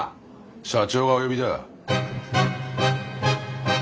社長がお呼びだ。